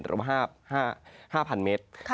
หรือว่า๕๐๐๐เมตร